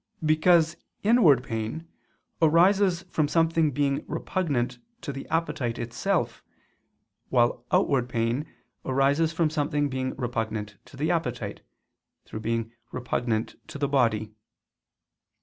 Because inward pain arises from something being repugnant to the appetite itself, while outward pain arises from something being repugnant to the appetite, through being repugnant to the body.